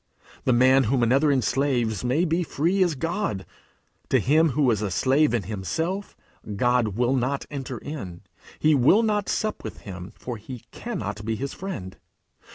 The man whom another enslaves may be free as God; to him who is a slave in himself, God will not enter in; he will not sup with him, for he cannot be his friend.